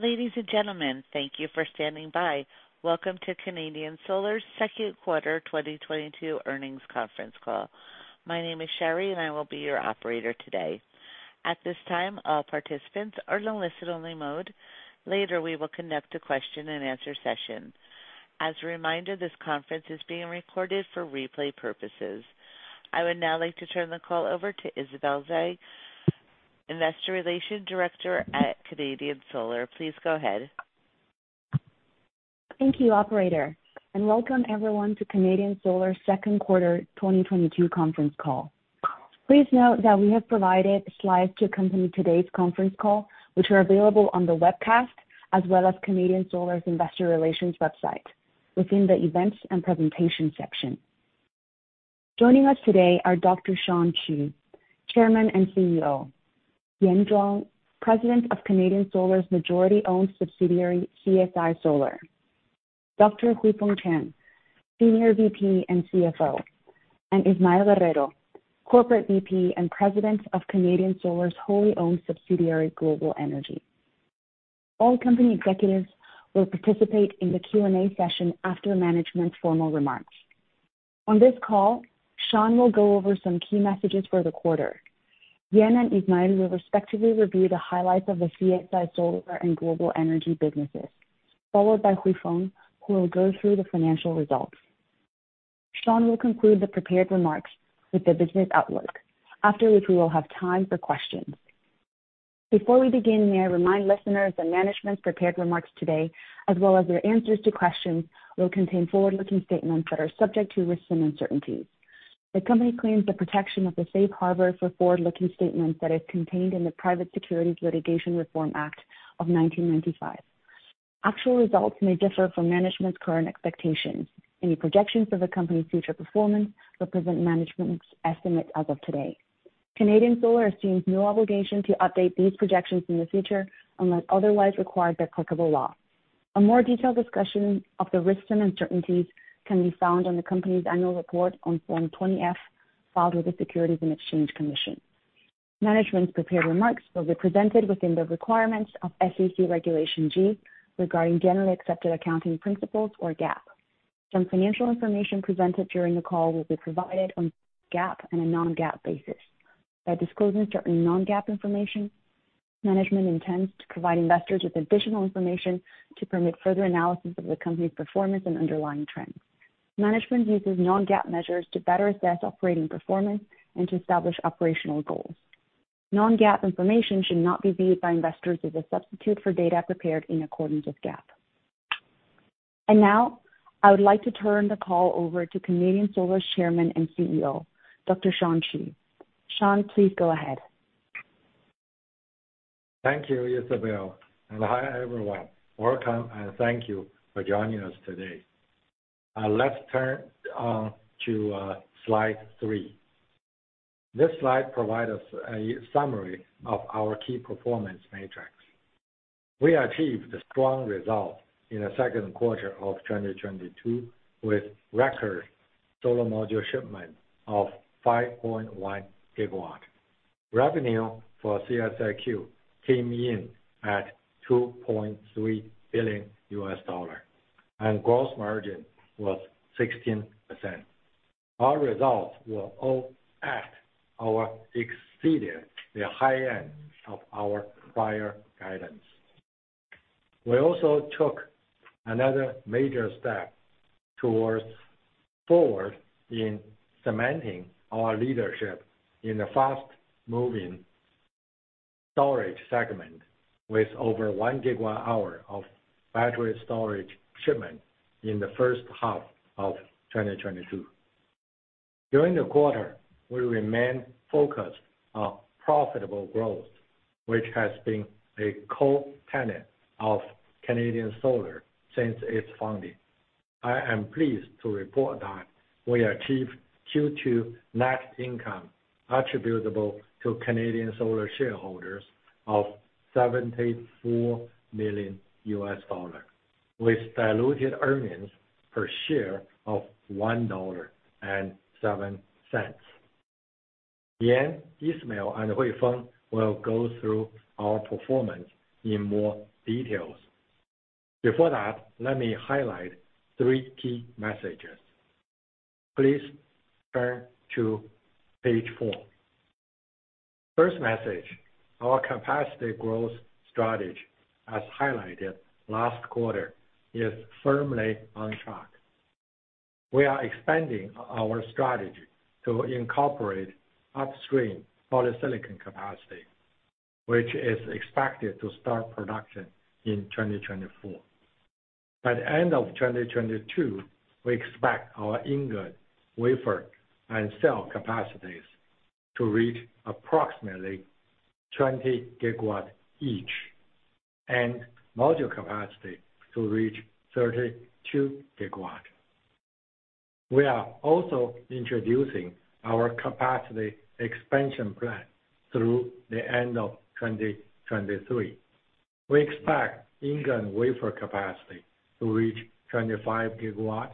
Ladies and gentlemen, thank you for standing by. Welcome to Canadian Solar's second quarter 2022 earnings conference call. My name is Sherry, and I will be your operator today. At this time, all participants are in listen-only mode. Later, we will conduct a question and answer session. As a reminder, this conference is being recorded for replay purposes. I would now like to turn the call over to Isabel Zhang, Investor Relations Director at Canadian Solar. Please go ahead. Thank you, operator, and welcome everyone to Canadian Solar second quarter 2022 conference call. Please note that we have provided slides to accompany today's conference call, which are available on the webcast as well as Canadian Solar's investor relations website within the events and presentation section. Joining us today are Dr. Shawn Qu, Chairman and CEO. Yan Zhuang, President of Canadian Solar's majority-owned subsidiary, CSI Solar. Dr. Huifeng Chang, Senior VP and CFO, and Ismael Guerrero, Corporate VP and President of Canadian Solar's wholly owned subsidiary, Global Energy. All company executives will participate in the Q&A session after management's formal remarks. On this call, Shawn will go over some key messages for the quarter. Yan and Ismael will respectively review the highlights of the CSI Solar and Global Energy businesses, followed by Huifeng, who will go through the financial results. Shawn will conclude the prepared remarks with the business outlook, after which we will have time for questions. Before we begin, may I remind listeners that management's prepared remarks today, as well as their answers to questions, will contain forward-looking statements that are subject to risks and uncertainties. The company claims the protection of the Safe Harbor for forward-looking statements that is contained in the Private Securities Litigation Reform Act of 1995. Actual results may differ from management's current expectations. Any projections of the company's future performance represent management's estimates as of today. Canadian Solar assumes no obligation to update these projections in the future unless otherwise required by applicable law. A more detailed discussion of the risks and uncertainties can be found on the company's annual report on Form 20-F, filed with the Securities and Exchange Commission. Management's prepared remarks will be presented within the requirements of SEC Regulation G regarding generally accepted accounting principles, or GAAP. Some financial information presented during the call will be provided on GAAP and a non-GAAP basis. By disclosing certain non-GAAP information, management intends to provide investors with additional information to permit further analysis of the company's performance and underlying trends. Management uses non-GAAP measures to better assess operating performance and to establish operational goals. Non-GAAP information should not be viewed by investors as a substitute for data prepared in accordance with GAAP. Now, I would like to turn the call over to Canadian Solar's Chairman and CEO, Dr. Shawn Qu. Shawn, please go ahead. Thank you, Isabel, and hi, everyone. Welcome and thank you for joining us today. Let's turn to slide three This slide provides a summary of our key performance metrics. We achieved a strong result in the second quarter of 2022, with record solar module shipment of 5.1 GW. Revenue for CSIQ came in at $2.3 billion, and gross margin was 16%. Our results were all at or exceeded the high end of our prior guidance. We also took another major step forward in cementing our leadership in the fast-growing storage segment, with over 1 GWh of battery storage shipment in the first half of 2022. During the quarter, we remained focused on profitable growth, which has been a core tenet of Canadian Solar since its founding. I am pleased to report that we achieved Q2 net income attributable to Canadian Solar shareholders of $74 million, with diluted earnings per share of $1.07. Yan, Ismael, and Huifeng will go through our performance in more details. Before that, let me highlight three key messages. Please turn to page four. First message. Our capacity growth strategy, as highlighted last quarter, is firmly on track. We are expanding our strategy to incorporate upstream polysilicon capacity, which is expected to start production in 2024. By the end of 2022, we expect our ingot, wafer, and cell capacities to reach approximately 20 GW each, and module capacity to reach 32 GW. We are also introducing our capacity expansion plan through the end of 2023. We expect ingot wafer capacity to reach 25 GW,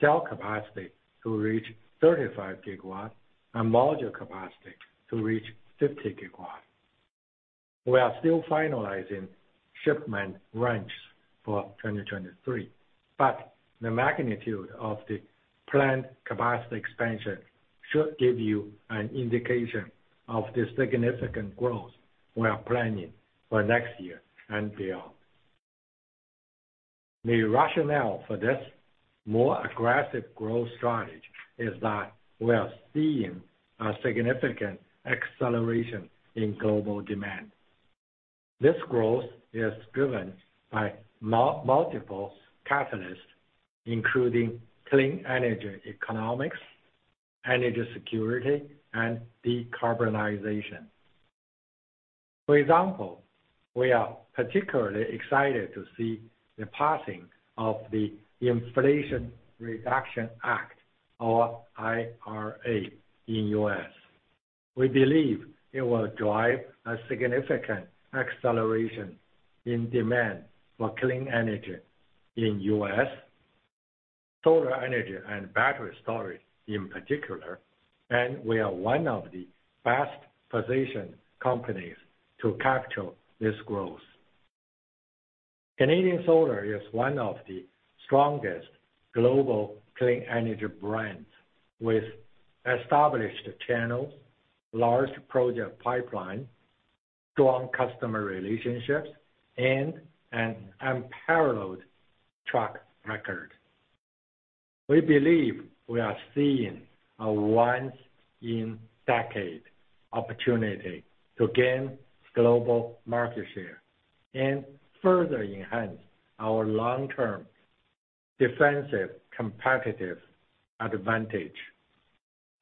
cell capacity to reach 35 GW, and module capacity to reach 50 GW. We are still finalizing shipment guidance for 2023, but the magnitude of the planned capacity expansion should give you an indication of the significant growth we are planning for next year and beyond. The rationale for this more aggressive growth strategy is that we are seeing a significant acceleration in global demand. This growth is driven by multiple catalysts, including clean energy economics, energy security, and decarbonization. For example, we are particularly excited to see the passing of the Inflation Reduction Act, or IRA, in the U.S. We believe it will drive a significant acceleration in demand for clean energy in U.S., solar energy and battery storage in particular, and we are one of the best-positioned companies to capture this growth. Canadian Solar is one of the strongest global clean energy brands with established channels, large project pipeline, strong customer relationships, and an unparalleled track record. We believe we are seeing a once-in-a-decade opportunity to gain global market share and further enhance our long-term defensive competitive advantage.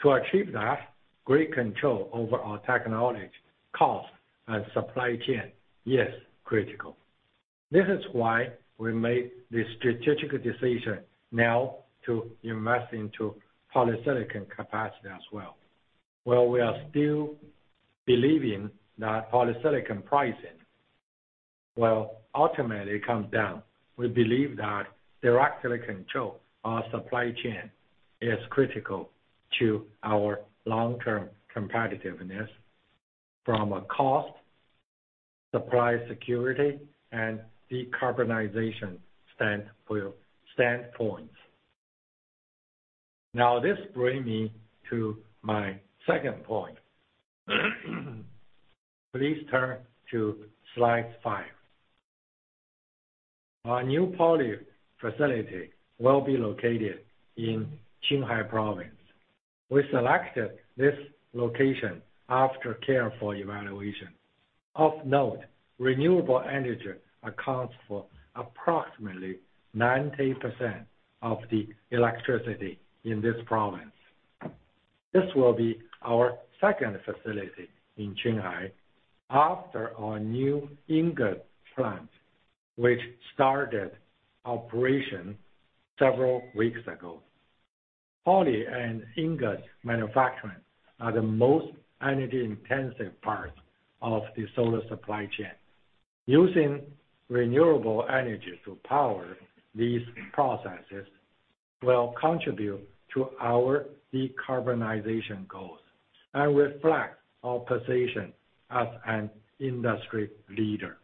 To achieve that, great control over our technology cost and supply chain is critical. This is why we made the strategic decision now to invest into polysilicon capacity as well. Well, we are still believing that polysilicon pricing will ultimately come down. We believe that direct silicon control of our supply chain is critical to our long-term competitiveness from a cost, supply security, and decarbonization standpoint. Now, this bring me to my second point. Please turn to slide five. Our new poly facility will be located in Qinghai Province. We selected this location after careful evaluation. Of note, renewable energy accounts for approximately 90% of the electricity in this province. This will be our second facility in Qinghai after our new ingot plant, which started operation several weeks ago. Poly and ingot manufacturing are the most energy-intensive parts of the solar supply chain. Using renewable energy to power these processes will contribute to our decarbonization goals and reflect our position as an industry leader.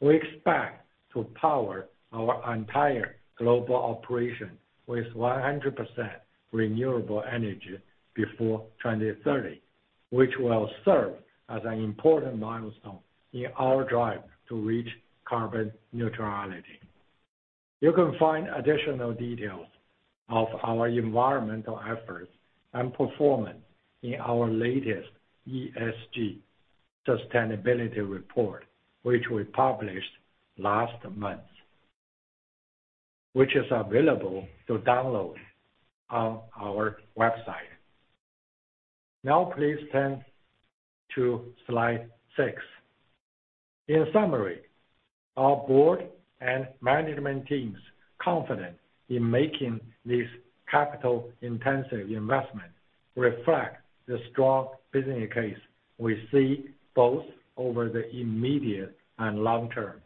We expect to power our entire global operation with 100% renewable energy before 2030, which will serve as an important milestone in our drive to reach carbon neutrality. You can find additional details of our environmental efforts and performance in our latest ESG Sustainability report, which we published last month, which is available to download on our website. Now please turn to slide six. In summary, our Board and management team is confident in making this capital-intensive investment reflect the strong business case we see both over the immediate and long term.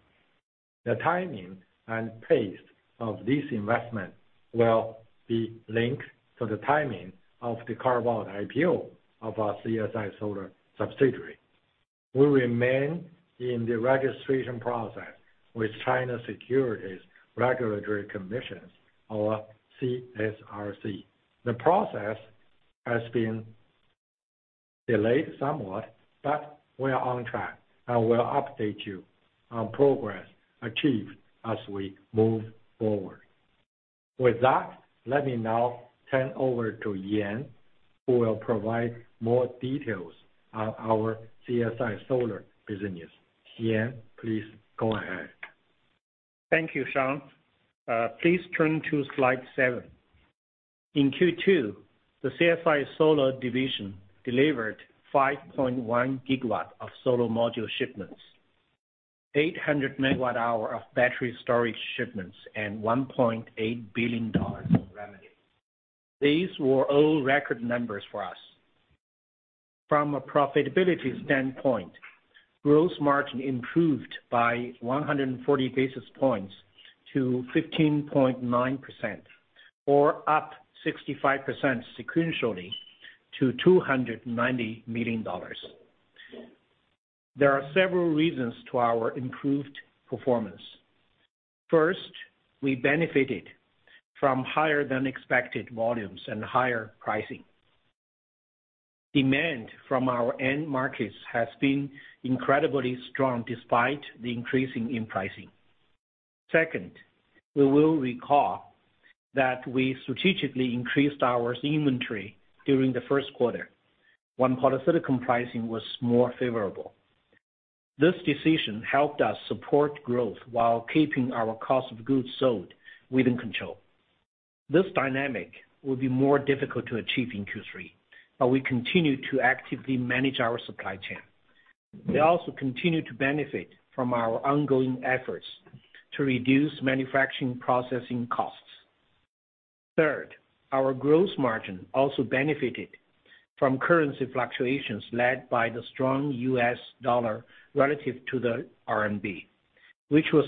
The timing and pace of this investment will be linked to the timing of the carve-out IPO of our CSI Solar subsidiary. We remain in the registration process with China Securities Regulatory Commission, or CSRC. The process has been delayed somewhat, but we are on track, and we'll update you on progress achieved as we move forward. With that, let me now turn over to Yan, who will provide more details on our CSI Solar business. Yan, please go ahead. Thank you, Shawn. Please turn to slide seven. In Q2, the CSI Solar division delivered 5.1 GWh of solar module shipments, 800 MWh of battery storage shipments, and $1.8 billion of revenue. These were all record numbers for us. From a profitability standpoint, gross margin improved by 140 basis points to 15.9%, or up 65% sequentially to $290 million. There are several reasons for our improved performance. First, we benefited from higher-than-expected volumes and higher pricing. Demand from our end markets has been incredibly strong despite the increase in pricing. Second, you'll recall that we strategically increased our inventory during the first quarter when polysilicon pricing was more favorable. This decision helped us support growth while keeping our cost of goods sold within control. This dynamic will be more difficult to achieve in Q3, but we continue to actively manage our supply chain. We also continue to benefit from our ongoing efforts to reduce manufacturing processing costs. Third, our gross margin also benefited from currency fluctuations led by the strong U.S. dollar relative to the RMB, which was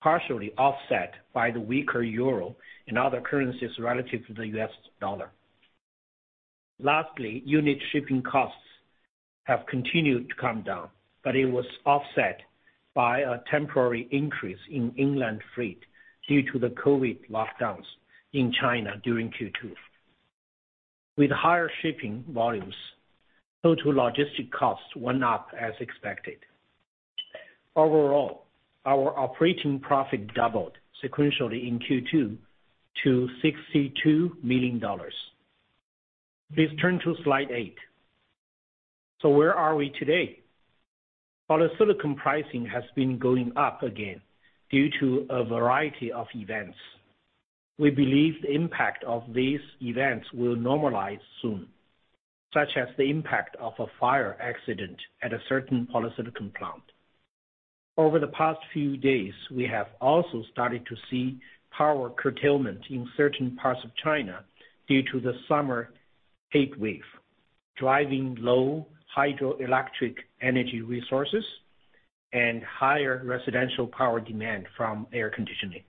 partially offset by the weaker euro and other currencies relative to the U.S. dollar. Lastly, unit shipping costs have continued to come down, but it was offset by a temporary increase in inland freight due to the COVID lockdowns in China during Q2. With higher shipping volumes, total logistics costs went up as expected. Overall, our operating profit doubled sequentially in Q2 to $62 million. Please turn to slide 8. So where are we today? Polysilicon pricing has been going up again due to a variety of events. We believe the impact of these events will normalize soon, such as the impact of a fire accident at a certain polysilicon plant. Over the past few days, we have also started to see power curtailment in certain parts of China due to the summer heatwave, driving low hydroelectric energy resources and higher residential power demand from air conditioning.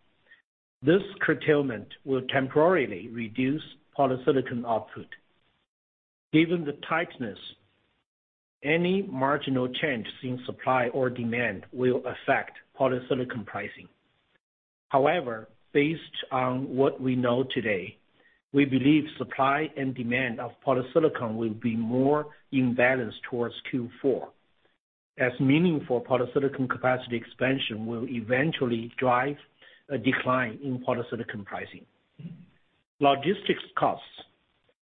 This curtailment will temporarily reduce polysilicon output. Given the tightness, any marginal change in supply or demand will affect polysilicon pricing. However, based on what we know today, we believe supply and demand of polysilicon will be more in balance towards Q4, as meaningful polysilicon capacity expansion will eventually drive a decline in polysilicon pricing. Logistics costs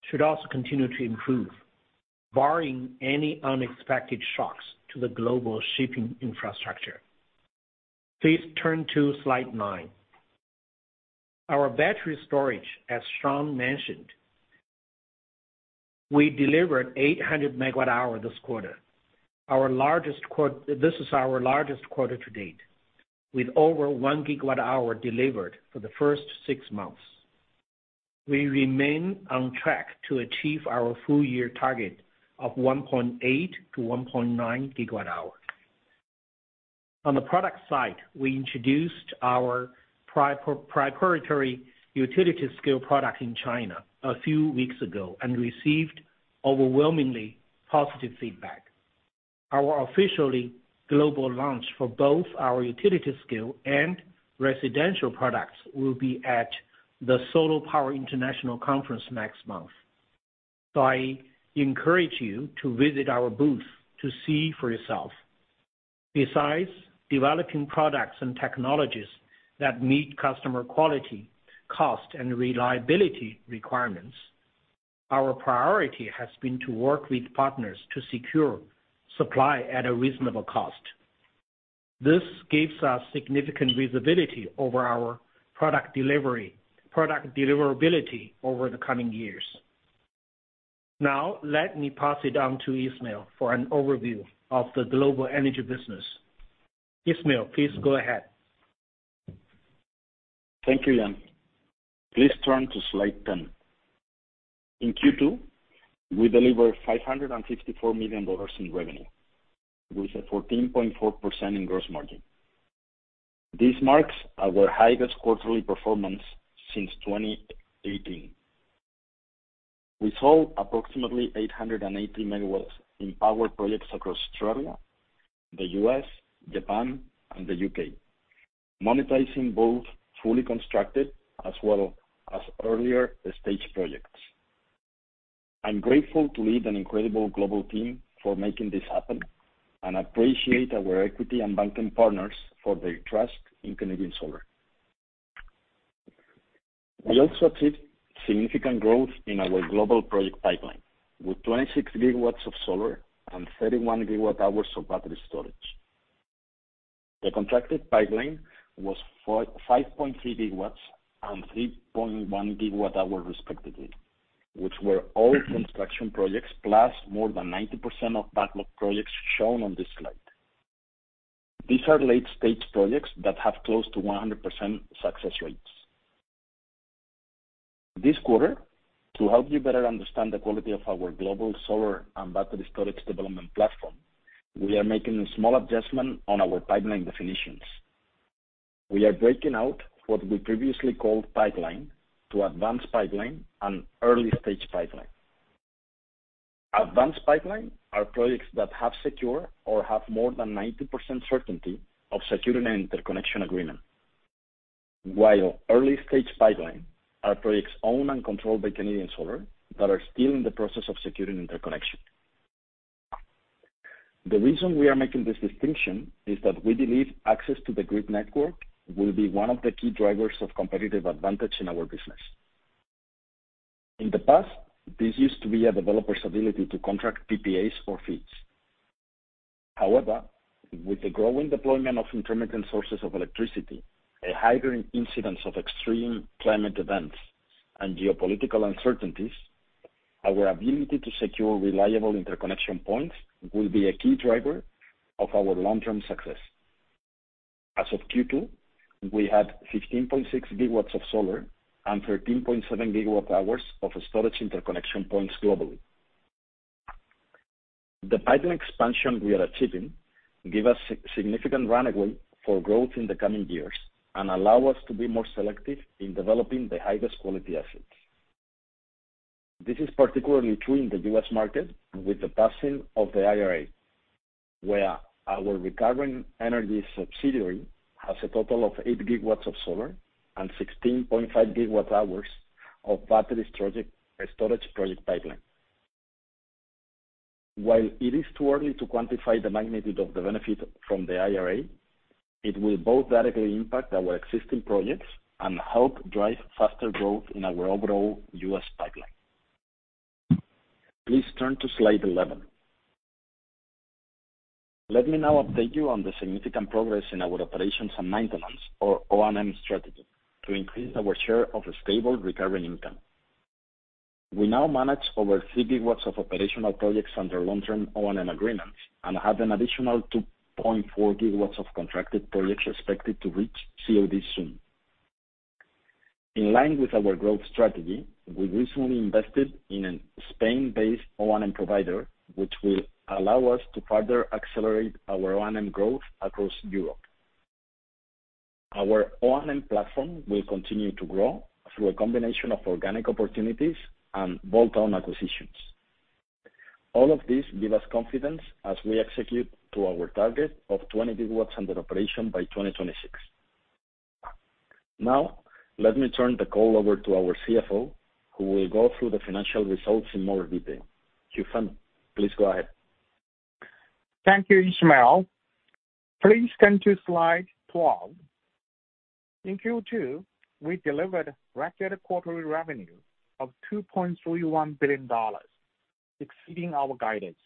should also continue to improve, barring any unexpected shocks to the global shipping infrastructure. Please turn to slide nine. Our battery storage, as Shawn mentioned, we delivered 800 MWh this quarter. This is our largest quarter to date, with over 1 GWh delivered for the first six months. We remain on track to achieve our full year target of 1.8-1.9 GWh. On the product side, we introduced our proprietary utility-scale product in China a few weeks ago and received overwhelmingly positive feedback. Our officially global launch for both our utility-scale and residential products will be at the Solar Power International Conference next month. I encourage you to visit our booth to see for yourself. Besides developing products and technologies that meet customer quality, cost, and reliability requirements, our priority has been to work with partners to secure supply at a reasonable cost. This gives us significant visibility over our product delivery, product deliverability over the coming years. Now, let me pass it on to Ismael for an overview of the Global Energy business. Ismael, please go ahead. Thank you, Yan. Please turn to slide 10. In Q2, we delivered $554 million in revenue, with a 14.4% gross margin. This marks our highest quarterly performance since 2018. We sold approximately 880 MW in power projects across Australia, the U.S., Japan, and the U.K., monetizing both fully constructed as well as earlier-stage projects. I'm grateful to lead an incredible global team for making this happen, and appreciate our equity and banking partners for their trust in Canadian Solar. We also achieved significant growth in our global project pipeline, with 26 GW of solar and 31 GWh of battery storage. The contracted pipeline was five point three GW and 3.1 GWh respectively, which were all construction projects, plus more than 90% of backlog projects shown on this slide. These are late-stage projects that have close to 100% success rates. This quarter, to help you better understand the quality of our global solar and battery storage development platform, we are making a small adjustment on our pipeline definitions. We are breaking out what we previously called pipeline to advanced pipeline and early-stage pipeline. Advanced pipeline are projects that have secure or have more than 90% certainty of securing an interconnection agreement. While early-stage pipeline are projects owned and controlled by Canadian Solar that are still in the process of securing interconnection. The reason we are making this distinction is that we believe access to the grid network will be one of the key drivers of competitive advantage in our business. In the past, this used to be a developer's ability to contract PPAs or FITs. However, with the growing deployment of intermittent sources of electricity, a higher incidence of extreme climate events, and geopolitical uncertainties, our ability to secure reliable interconnection points will be a key driver of our long-term success. As of Q2, we had 15.6 GW of solar and 13.7 GWh of storage interconnection points globally. The pipeline expansion we are achieving give us significant runway for growth in the coming years and allow us to be more selective in developing the highest quality assets. This is particularly true in the U.S. market with the passing of the IRA, where our Recurrent Energy subsidiary has a total of 8 GW of solar and 16.5 GWh of battery storage project pipeline. While it is too early to quantify the magnitude of the benefit from the IRA, it will both directly impact our existing projects and help drive faster growth in our overall U.S. pipeline. Please turn to slide 11. Let me now update you on the significant progress in our operations and maintenance or O&M strategy to increase our share of the stable recurring income. We now manage over 3 GW of operational projects under long-term O&M agreements and have an additional 2.4 GW of contracted projects expected to reach COD soon. In line with our growth strategy, we recently invested in a Spain-based O&M provider, which will allow us to further accelerate our O&M growth across Europe. Our O&M platform will continue to grow through a combination of organic opportunities and bolt-on acquisitions. All of this give us confidence as we execute to our target of 20 GW under operation by 2026. Now, let me turn the call over to our CFO, who will go through the financial results in more detail. Huifeng Chang, please go ahead. Thank you, Ismael. Please turn to slide 12. In Q2, we delivered record quarterly revenue of $2.31 billion, exceeding our guidance.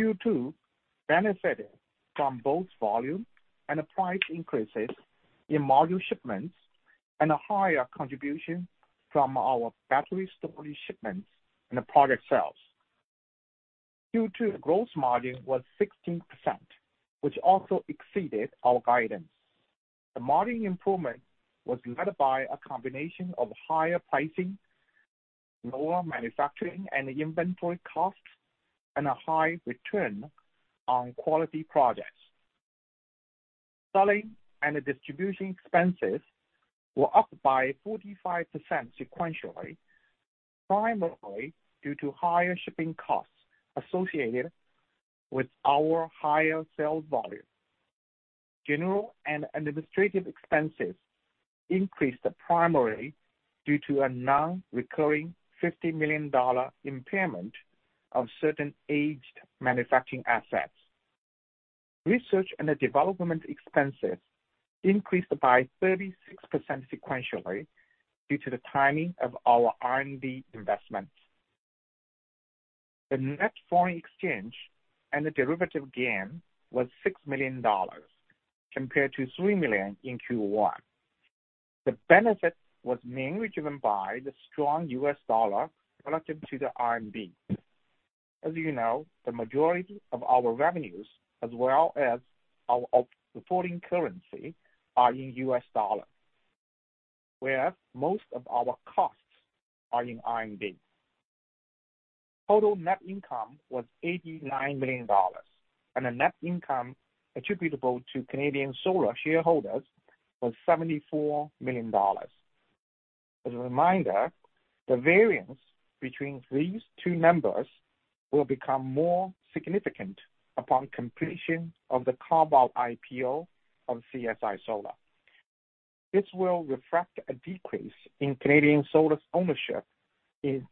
Q2 benefited from both volume and price increases in module shipments and a higher contribution from our battery storage shipments and product sales. Q2 gross margin was 16%, which also exceeded our guidance. The margin improvement was led by a combination of higher pricing, lower manufacturing and inventory costs, and a high return on quality projects. Selling and distribution expenses were up by 45% sequentially, primarily due to higher shipping costs associated with our higher sales volume. General and administrative expenses increased primarily due to a non-recurring $50 million impairment of certain aged manufacturing assets. Research and development expenses increased by 36% sequentially due to the timing of our R&D investments. The net foreign exchange and the derivative gain was $6 million compared to $3 million in Q1. The benefit was mainly driven by the strong U.S. dollar relative to the RMB. As you know, the majority of our revenues, as well as our foreign currency, are in U.S. dollars, where most of our costs are in RMB. Total net income was $89 million, and the net income attributable to Canadian Solar shareholders was $74 million. As a reminder, the variance between these two numbers will become more significant upon completion of the carve-out IPO of CSI Solar. This will reflect a decrease in Canadian Solar's ownership in CSI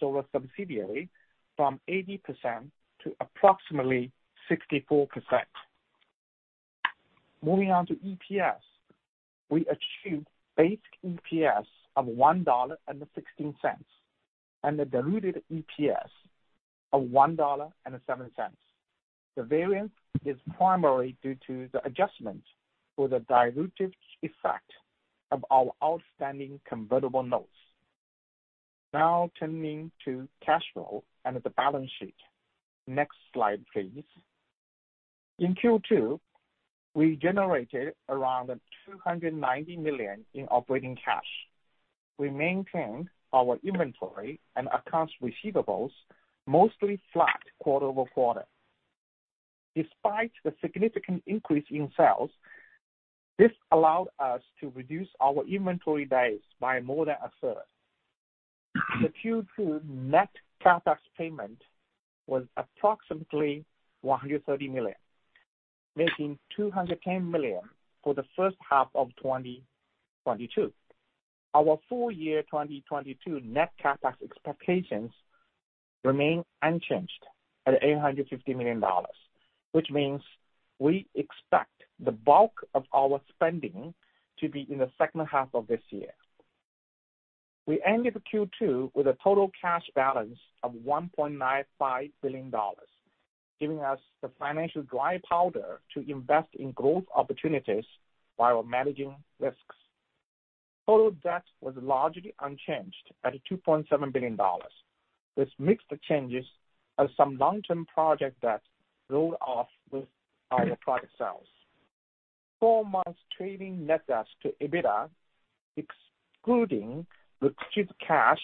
Solar subsidiary from 80% to approximately 64%. Moving on to EPS. We achieved basic EPS of $1.16, and the diluted EPS of $1.07. The variance is primarily due to the adjustment for the dilutive effect of our outstanding convertible notes. Now turning to cash flow and the balance sheet. Next slide, please. In Q2, we generated around $290 million in operating cash. We maintained our inventory and accounts receivable mostly flat quarter-over-quarter. Despite the significant increase in sales, this allowed us to reduce our inventory days by more than a third. The Q2 net CapEx payment was approximately $130 million, making $210 million for the first half of 2022. Our full year 2022 net CapEx expectations remain unchanged at $850 million, which means we expect the bulk of our spending to be in the second half of this year. We ended Q2 with a total cash balance of $1.95 billion, giving us the financial dry powder to invest in growth opportunities while managing risks. Total debt was largely unchanged at $2.7 billion. This mix of changes as some long-term project debt rolled off with our product sales. 12-month trailing net debt to EBITDA, excluding the cash,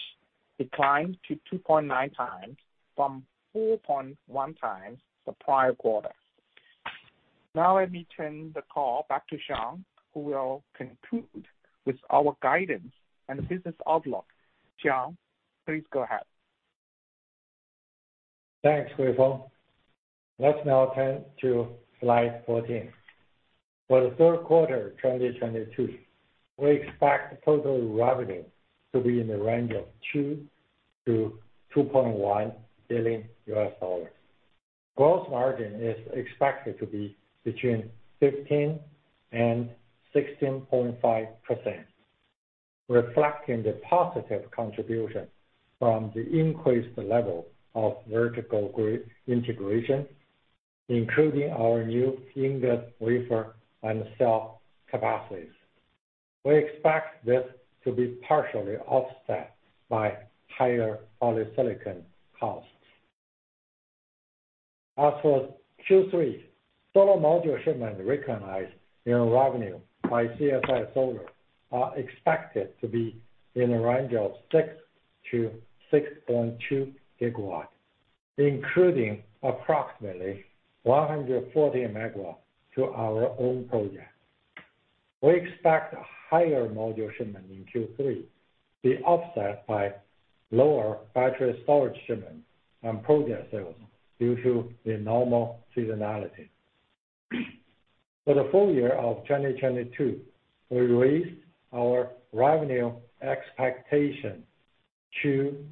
declined to 2.9x from 4.1x the prior quarter. Now let me turn the call back to Shawn Qu, who will conclude with our guidance and business outlook. Shawn Qu, please go ahead. Thanks, Huifeng. Let's now turn to slide 14. For the third quarter 2022, we expect total revenue to be in the range of $2 billion-$2.1 billion. Gross margin is expected to be between 15% and 16.5%, reflecting the positive contribution from the increased level of vertical integration, including our new ingot, wafer, and cell capacities. We expect this to be partially offset by higher polysilicon costs. As for Q3, solar module shipments recognized in revenue by CSI Solar are expected to be in a range of 6-6.2 GW, including approximately 140 MW to our own project. We expect higher module shipments in Q3 be offset by lower battery storage shipments and project sales due to the normal seasonality. For the full year of 2022, we raised our revenue expectation to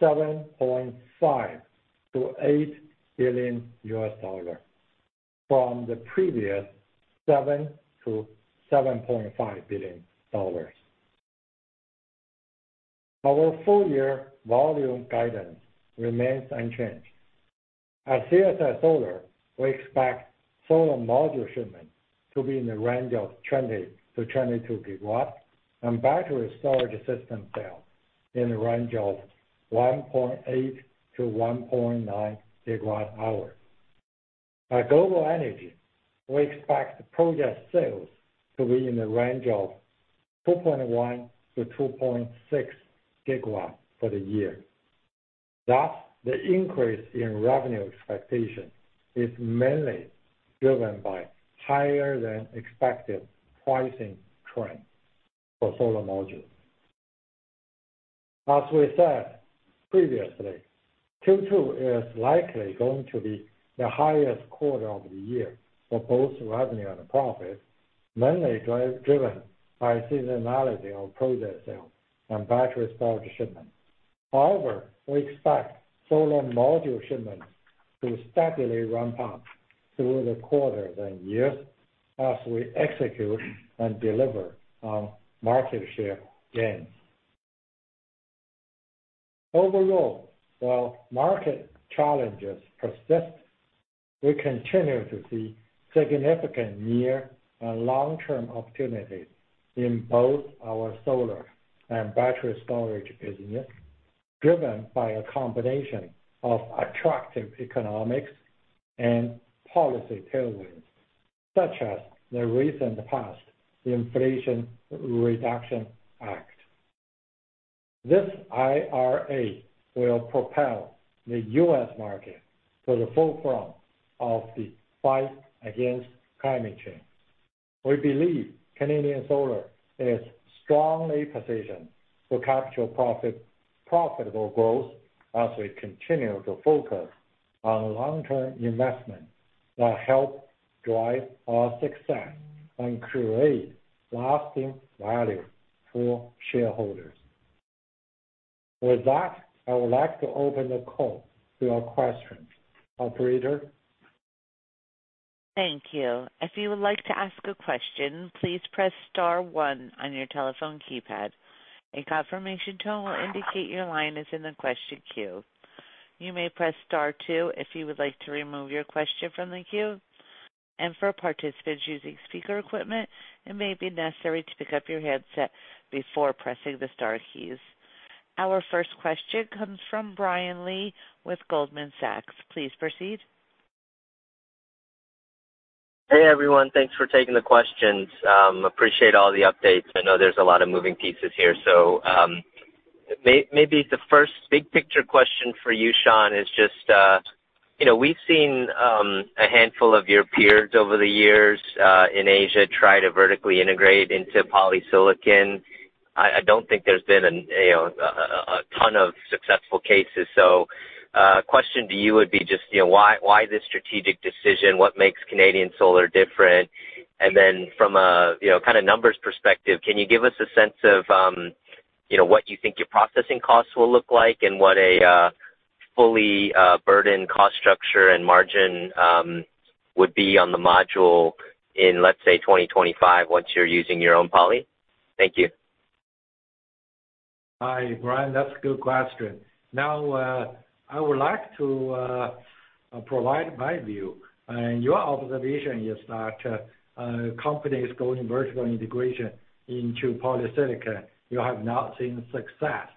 $7.5 billion-$8 billion, from the previous $7 billion-$7.5 billion. Our full year volume guidance remains unchanged. At CSI Solar, we expect solar module shipments to be in the range of 20-22 GW and battery storage system sales in the range of 1.8-1.9 GWh. At Global Energy, we expect project sales to be in the range of 2.1-2.6 GW for the year. Thus, the increase in revenue expectation is mainly driven by higher than expected pricing trends for solar modules. As we said previously, Q2 is likely going to be the highest quarter of the year for both revenue and profit, mainly driven by seasonality of project sales and battery storage shipments. However, we expect solar module shipments to steadily ramp up through the quarter and year as we execute and deliver on market share gains. Overall, while market challenges persist, we continue to see significant near- and long-term opportunities in both our solar and battery storage business, driven by a combination of attractive economics and policy tailwinds, such as the recently passed Inflation Reduction Act. This IRA will propel the U.S. market to the forefront of the fight against climate change. We believe Canadian Solar is strongly positioned to capture profitable growth as we continue to focus on long-term investments that help drive our success and create lasting value for shareholders. With that, I would like to open the call to your questions. Operator? Thank you. If you would like to ask a question, please press star one on your telephone keypad. A confirmation tone will indicate your line is in the question queue. You may press star two if you would like to remove your question from the queue. For participants using speaker equipment, it may be necessary to pick up your headset before pressing the star keys. Our first question comes from Brian Lee with Goldman Sachs. Please proceed. Hey everyone. Thanks for taking the questions. Appreciate all the updates. I know there's a lot of moving pieces here. Maybe the first big picture question for you, Shawn, is just, you know, we've seen a handful of your peers over the years in Asia try to vertically integrate into polysilicon. I don't think there's been a ton of successful cases. Question to you would be just why this strategic decision? What makes Canadian Solar different? And then from a kind of numbers perspective, can you give us a sense of what you think your processing costs will look like and what a fully burdened cost structure and margin would be on the module in, let's say, 2025 once you're using your own poly? Thank you. Hi, Brian. That's a good question. Now, I would like to provide my view. Your observation is that companies going vertical integration into polysilicon, you have not seen success.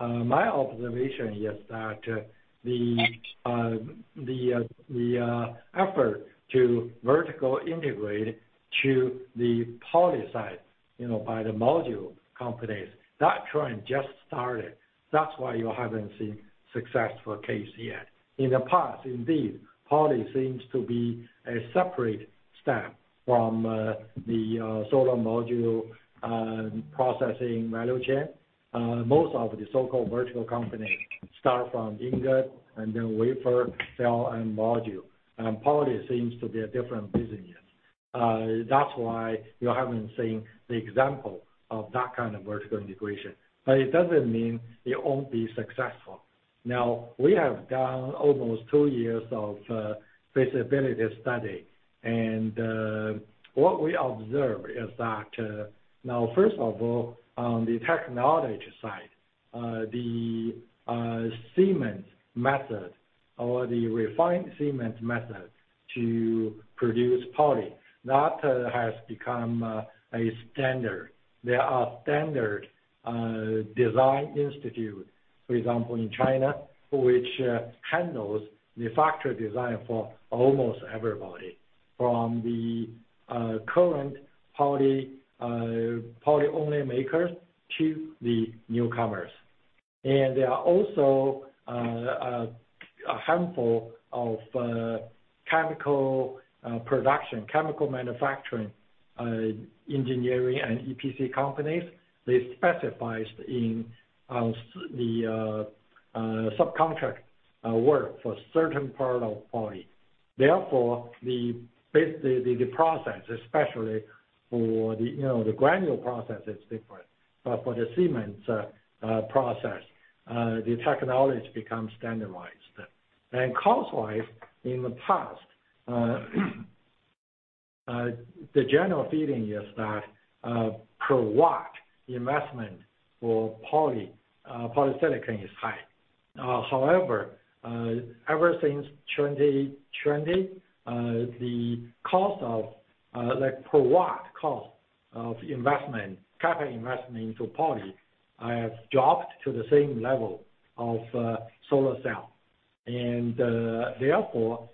My observation is that the effort to vertical integrate to the poly side, you know, by the module companies, that trend just started. That's why you haven't seen successful case yet. In the past, indeed, poly seems to be a separate step from the solar module processing value chain. Most of the so-called vertical companies start from ingot and then wafer, cell and module. Poly seems to be a different business. That's why you haven't seen the example of that kind of vertical integration. But it doesn't mean it won't be successful. Now, we have done almost two years of feasibility study. What we observe is that now first of all, on the technology side, the Siemens method or the modified Siemens method to produce poly, that has become a standard. There are standard design institute, for example, in China, which handles the factory design for almost everybody from the current poly-only makers to the newcomers. There are also a handful of chemical production chemical manufacturing engineering and EPC companies. They specialize in the subcontract work for certain part of poly. Therefore, the process, especially for the, you know, the granular process is different. For the Siemens process, the technology becomes standardized. Cost-wise, in the past, the general feeling is that per watt investment for poly polysilicon is high. However, ever since 2020, the cost of like per watt cost of investment, capital investment into poly has dropped to the same level of solar cell. Therefore,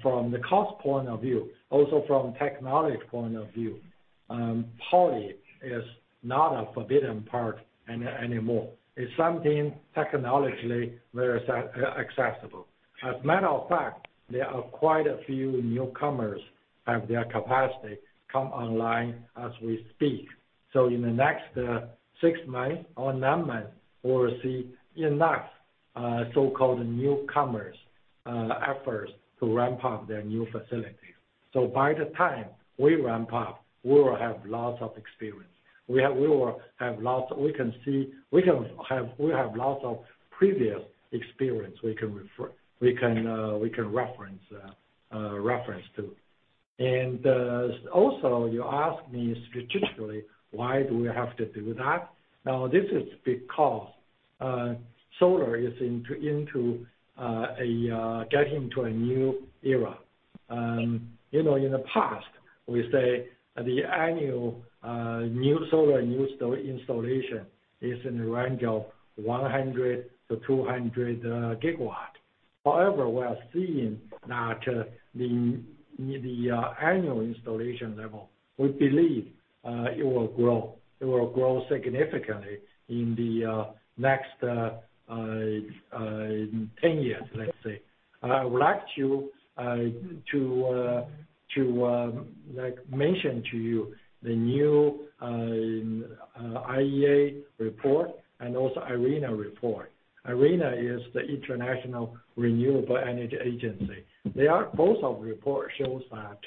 from the cost point of view, also from technology point of view, poly is not a forbidden part anymore. It's something technologically very accessible. As a matter of fact, there are quite a few newcomers have their capacity come online as we speak. In the next six months or nine months, we'll see enough so-called newcomers' efforts to ramp up their new facilities. By the time we ramp-up, we will have lots of experience. We have lots of previous experience we can reference to. Also, you asked me strategically, why do we have to do that? Now, this is because solar is getting into a new era. You know, in the past, we say the annual new solar installation is in the range of 100-200 GW. However, we are seeing that the annual installation level, we believe, it will grow. It will grow significantly in the next 10 years, let's say. I would like to like mention to you the new IEA report and also IRENA report. IRENA is the International Renewable Energy Agency. Their report shows that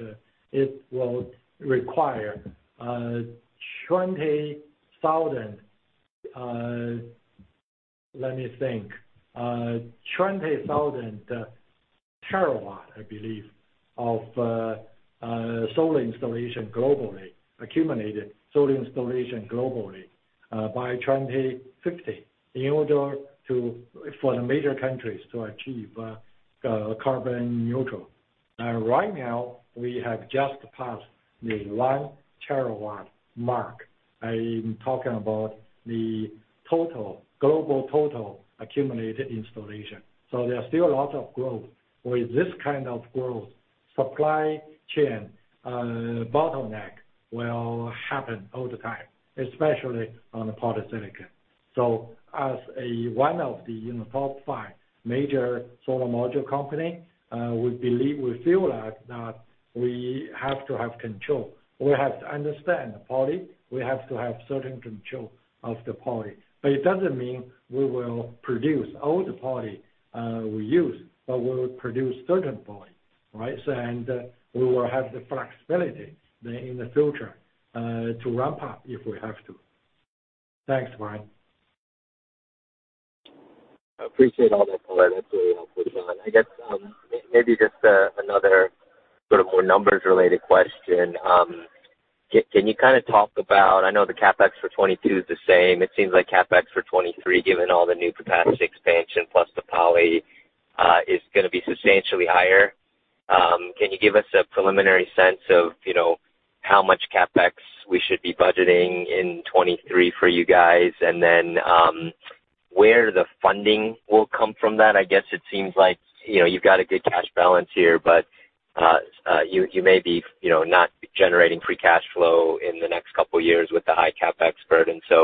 it will require 20,000 TW, I believe, of solar installation globally, accumulated solar installation globally, by 2050 in order for the major countries to achieve carbon neutral. Right now, we have just passed the 1 TW mark. I am talking about the total, global total accumulated installation. There are still a lot of growth. With this kind of growth, supply chain bottleneck will happen all the time, especially on the polysilicon. As one of the, you know, top five major solar module company, we believe, we feel that we have to have control. We have to understand poly, we have to have certain control of the poly. It doesn't mean we will produce all the poly we use, but we will produce certain poly, right? We will have the flexibility in the future to ramp up if we have to. Thanks, Brian. Appreciate all that color. That's really helpful, Shawn Qu. I guess, maybe just, another sort of more numbers-related question. Can you kind of talk about? I know the CapEx for 2022 is the same. It seems like CapEx for 2023, given all the new capacity expansion plus the poly, is gonna be substantially higher. Can you give us a preliminary sense of, you know, how much CapEx we should be budgeting in 2023 for you guys? And then, where the funding will come from that? I guess it seems like, you know, you've got a good cash balance here, but, you may be, you know, not generating free cash flow in the next couple years with the high CapEx burden. So,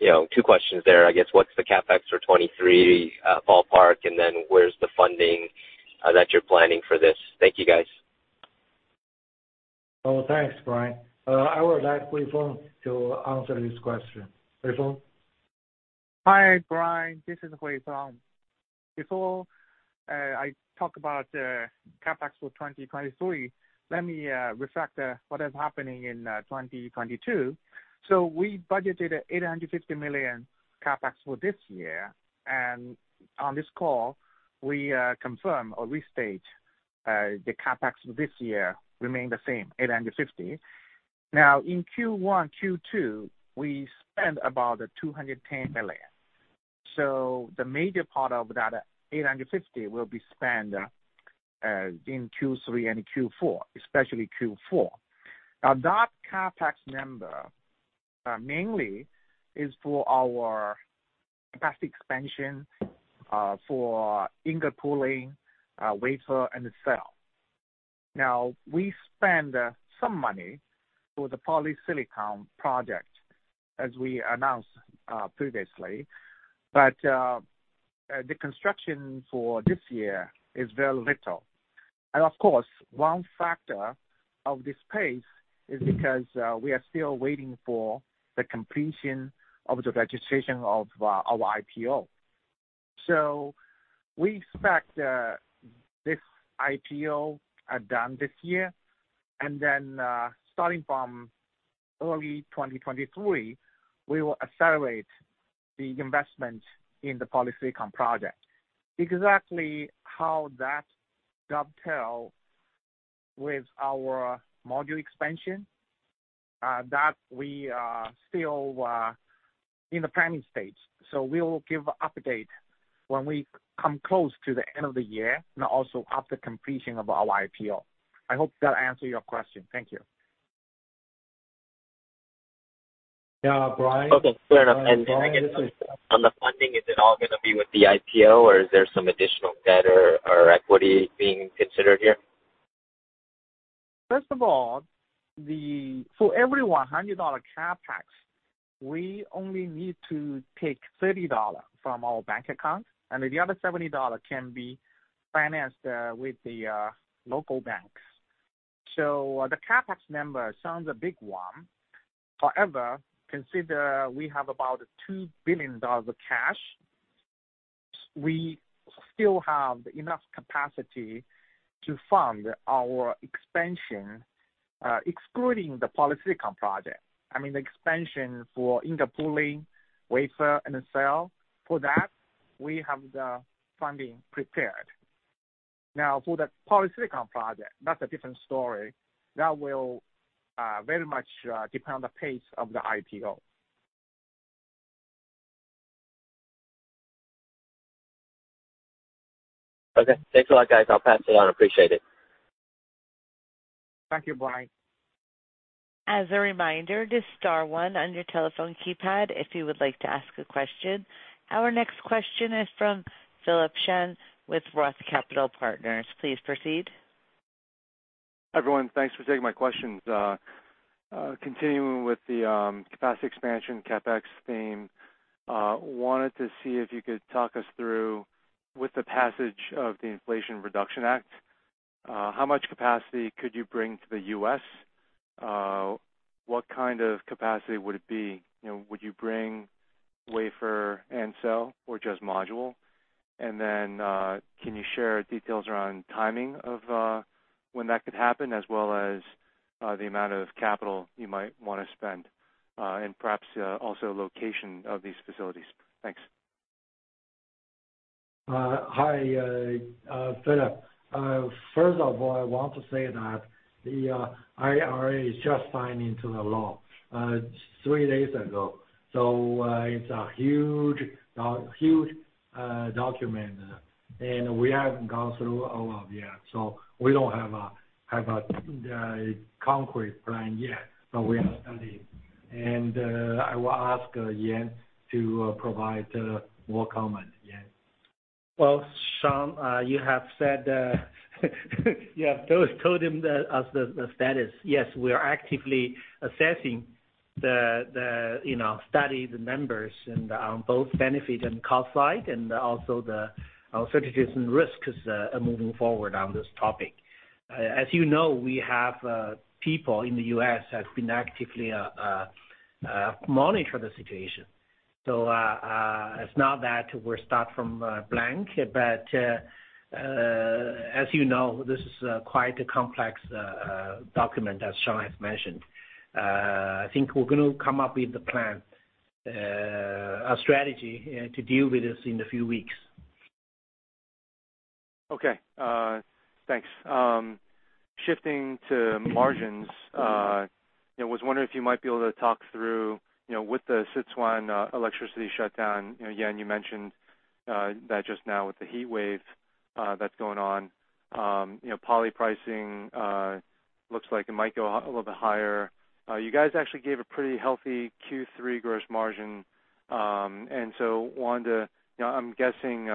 you know, two questions there, I guess. What's the CapEx for 2023, ballpark? Where's the funding that you're planning for this? Thank you guys. Oh, thanks, Brian. I would like Huifeng to answer this question. Huifeng? Hi, Brian Lee. This is Huifeng Chang. Before I talk about CapEx for 2023, let me reflect what is happening in 2022. We budgeted $850 million CapEx for this year, and on this call, we confirm or restate the CapEx for this year remain the same, $850 million. Now, in Q1, Q2, we spent about $210 million. The major part of that $850 million will be spent in Q3 and Q4, especially Q4. Now, that CapEx number mainly is for our capacity expansion for ingot pulling, wafer, and the cell. Now, we spend some money for the polysilicon project, as we announced previously. The construction for this year is very little. Of course, one factor of this pace is because we are still waiting for the completion of the registration of our IPO. We expect this IPO done this year, and then, starting from early 2023, we will accelerate the investment in the polysilicon project. Exactly how that dovetail with our module expansion, that we are still in the planning stage. We will give update when we come close to the end of the year, and also after completion of our IPO. I hope that answered your question. Thank you. Yeah, Brian. Okay, fair enough. I guess on the funding, is it all gonna be with the IPO, or is there some additional debt or equity being considered here? First of all, for every $100 CapEx, we only need to take $30 from our bank account, and the other $70 can be financed with the local banks. The CapEx number sounds like a big one. However, consider we have about $2 billion of cash. We still have enough capacity to fund our expansion, excluding the polysilicon project. I mean, the expansion for ingot pulling, wafer, and the cell, for that, we have the funding prepared. Now, for the polysilicon project, that's a different story. That will very much depend on the pace of the IPO. Okay. Thanks a lot, guys. I'll pass it on. Appreciate it. Thank you, Brian. As a reminder, just star one on your telephone keypad if you would like to ask a question. Our next question is from Philip Shen with ROTH Capital Partners. Please proceed. Hi, everyone. Thanks for taking my questions. Continuing with the capacity expansion CapEx theme, wanted to see if you could talk us through, with the passage of the Inflation Reduction Act, how much capacity could you bring to the U.S.? What kind of capacity would it be? You know, would you bring wafer and cell or just module? Can you share details around timing of when that could happen, as well as the amount of capital you might wanna spend? Perhaps also location of these facilities. Thanks. Hi, Philip. First of all, I want to say that the IRA is just signed into the law three days ago. It's a huge document, and we haven't gone through all of it yet. We don't have a concrete plan yet, but we are studying. I will ask Yan to provide more comment. Yan? Well, Shawn, you have told us the status. Yes, we are actively assessing, you know, studying the merits on both benefit and cost side, and also the uncertainties and risks moving forward on this topic. As you know, we have people in the U.S. who have been actively monitoring the situation. It's not that we're starting from blank, but as you know, this is quite a complex document, as Shawn has mentioned. I think we're gonna come up with a plan, a strategy to deal with this in a few weeks. Okay. Thanks. Shifting to margins, you know, was wondering if you might be able to talk through, you know, with the Sichuan electricity shutdown, you know, Yan, you mentioned that just now with the heat wave that's going on. You know, poly pricing looks like it might go a little bit higher. You guys actually gave a pretty healthy Q3 gross margin. Wanted to. You know, I'm guessing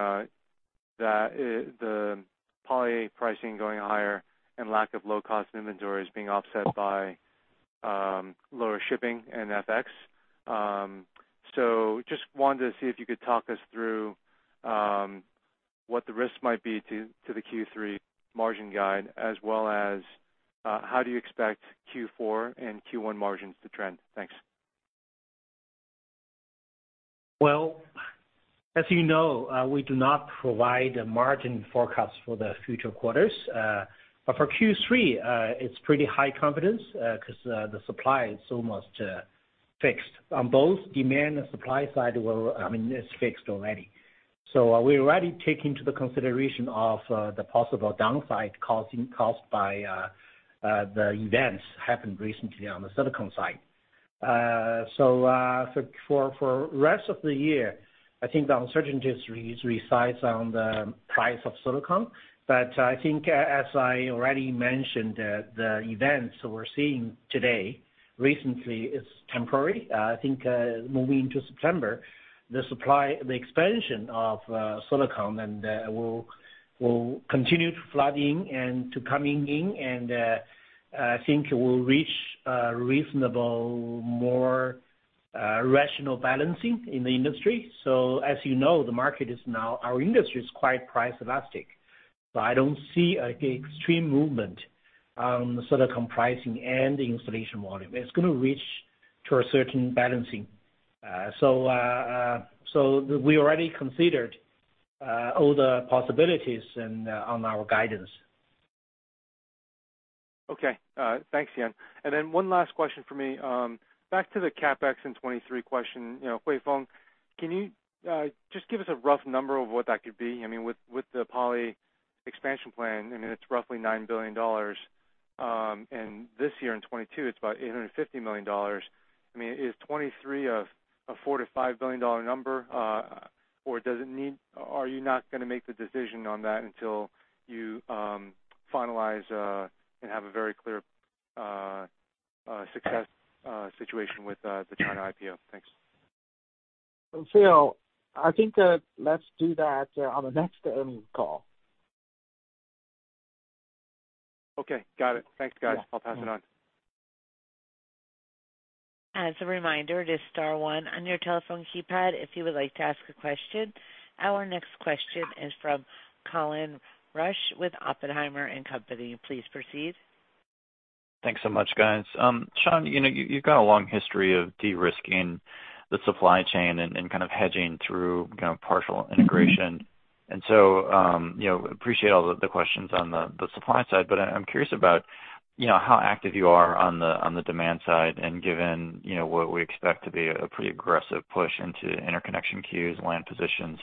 that the poly pricing going higher and lack of low-cost inventory is being offset by lower shipping and FX. Just wanted to see if you could talk us through what the risks might be to the Q3 margin guide, as well as how do you expect Q4 and Q1 margins to trend? Thanks. Well, as you know, we do not provide a margin forecast for the future quarters. For Q3, it's pretty high confidence, 'cause the supply is almost fixed. On both demand and supply side, I mean, it's fixed already. We already take into consideration of the possible downside caused by the events happened recently on the silicon side. For the rest of the year, I think the uncertainties reside on the price of silicon. I think, as I already mentioned, the events we're seeing today, recently, are temporary. I think, moving to September, the supply, the expansion of silicon and will continue flooding and coming in, and I think we'll reach a reasonable, more rational balancing in the industry. As you know, the market is now. Our industry is quite price elastic. I don't see a extreme movement on the silicon pricing and the installation volume. It's gonna reach to a certain balancing. We already considered all the possibilities and on our guidance. Thanks, Yan. One last question for me. Back to the CapEx in 2023 question. You know, Huifeng, can you just give us a rough number of what that could be? I mean, with the poly expansion plan, I mean, it's roughly $9 billion. This year in 2022, it's about $850 million. I mean, is 2023 a $4 billion-$5 billion number? Or are you not gonna make the decision on that until you finalize and have a very clear success situation with the China IPO? Thanks. Phil, I think, let's do that on the next earnings call. Okay, got it. Thanks, guys. I'll pass it on. As a reminder, just star one on your telephone keypad if you would like to ask a question. Our next question is from Colin Rusch with Oppenheimer & Co. Please proceed. Thanks so much, guys. Shawn, you know, you've got a long history of de-risking the supply chain and kind of hedging through kind of partial integration. You know, appreciate all the questions on the supply side, but I'm curious about, you know, how active you are on the demand side, and given, you know, what we expect to be a pretty aggressive push into interconnection queues, land positions,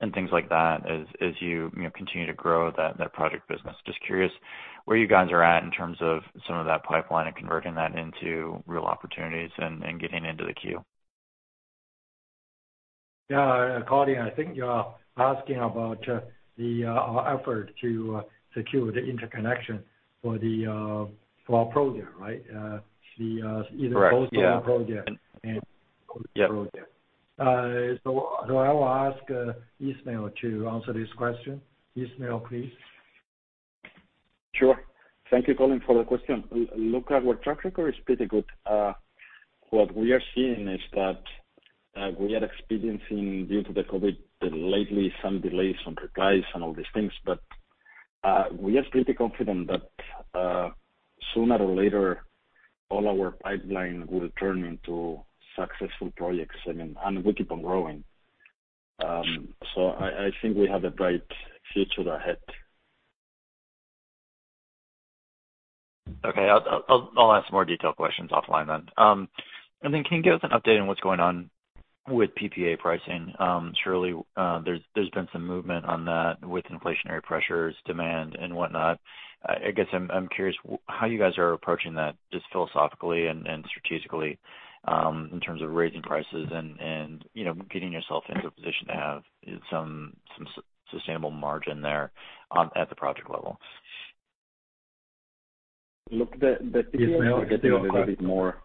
and things like that, as you know, continue to grow that project business. Just curious where you guys are at in terms of some of that pipeline and converting that into real opportunities and getting into the queue. Yeah, Colin, I think you're asking about our effort to secure the interconnection for our project, right? Correct. Yeah. Either solar project and. Yeah. coast project. I will ask Ismael to answer this question. Ismael, please. Sure. Thank you, Colin, for the question. Look at our track record is pretty good. What we are seeing is that we are experiencing, due to the COVID lately, some delays on replies and all these things. We are pretty confident that sooner or later, all our pipeline will turn into successful projects. I mean, we keep on growing. I think we have a bright future ahead. Okay. I'll ask more detailed questions offline then. Can you give us an update on what's going on with PPA pricing? Surely, there's been some movement on that with inflationary pressures, demand and whatnot. I guess I'm curious how you guys are approaching that just philosophically and strategically in terms of raising prices and you know, getting yourself into a position to have some sustainable margin there on at the project level. Look, the PPA are getting a little bit more.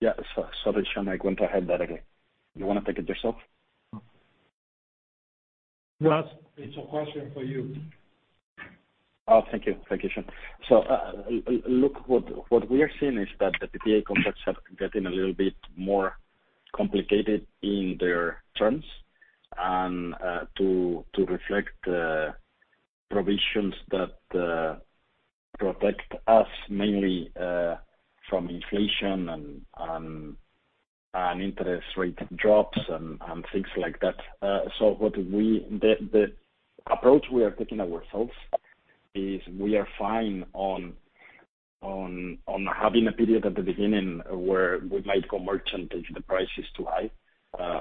If I may correct. Yeah. Sorry, Shawn, I went ahead there again. You wanna take it yourself? No. It's a question for you. Oh, thank you. Thank you, Shawn. Look, what we are seeing is that the PPA contracts are getting a little bit more complicated in their terms and to reflect the provisions that protect us mainly from inflation and interest rate drops and things like that. The approach we are taking ourselves is we are fine on having a period at the beginning where we might go merchant if the price is too high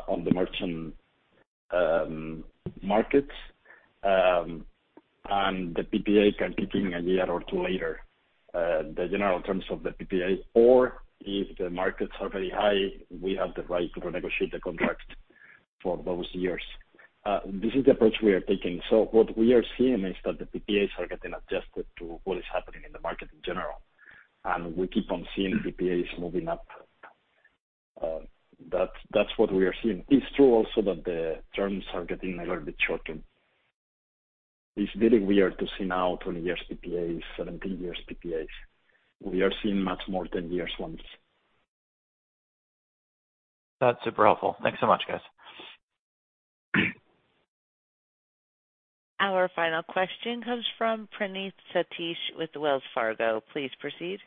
on the merchant markets and the PPA can kick in a year or two later, the general terms of the PPA. If the markets are very high, we have the right to renegotiate the contract for those years. This is the approach we are taking. What we are seeing is that the PPAs are getting adjusted to what is happening in the market in general, and we keep on seeing PPAs moving up. That's what we are seeing. It's true also that the terms are getting a little bit shorter. It's very weird to see now 20-year PPAs, 17-year PPAs. We are seeing much more 10-year ones. That's super helpful. Thanks so much, guys. Our final question comes from Praneeth Satish with Wells Fargo. Please proceed.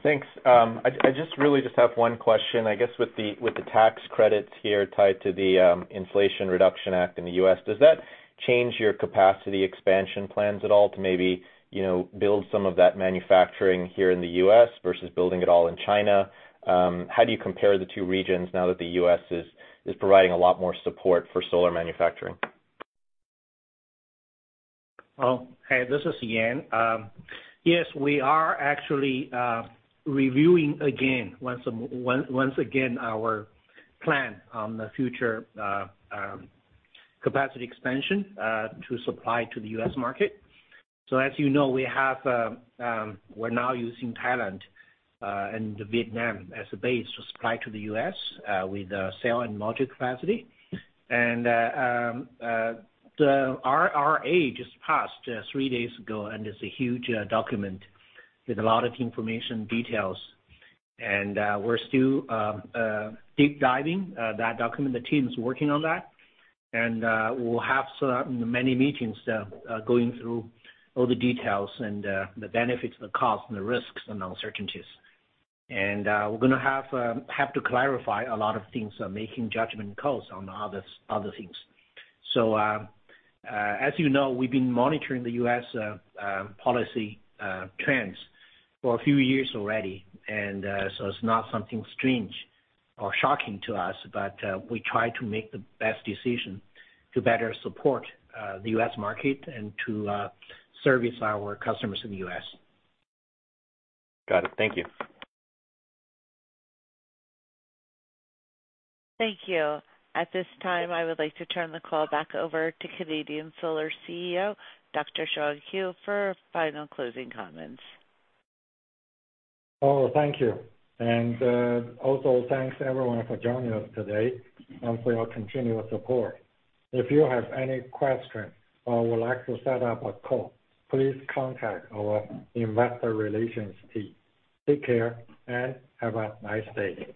Thanks. I just really just have one question. I guess with the tax credits here tied to the Inflation Reduction Act in the U.S., does that change your capacity expansion plans at all to maybe, you know, build some of that manufacturing here in the U.S. versus building it all in China? How do you compare the two regions now that the U.S. is providing a lot more support for solar manufacturing? Oh, hey. This is Yan. Yes, we are actually reviewing again, once again our plan on the future capacity expansion to supply to the U.S. market. As you know, we have, we're now using Thailand and Vietnam as a base to supply to the U.S. with cell and module capacity. The IRA just passed three days ago, and it's a huge document with a lot of information details. We're still deep diving that document. The team is working on that. We'll have so many meetings going through all the details and the benefits and the costs and the risks and uncertainties. We're gonna have to clarify a lot of things, making judgment calls on other things. As you know, we've been monitoring the U.S. policy trends for a few years already. It's not something strange or shocking to us, but we try to make the best decision to better support the U.S. market and to service our customers in the U.S. Got it. Thank you. Thank you. At this time, I would like to turn the call back over to Canadian Solar's CEO, Dr. Shawn Qu, for final closing comments. Oh, thank you. Also thanks everyone for joining us today and for your continuous support. If you have any questions or would like to set up a call, please contact our investor relations team. Take care, and have a nice day.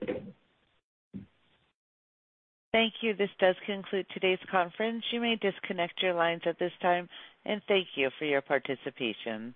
Thank you. This does conclude today's conference. You may disconnect your lines at this time. Thank you for your participation.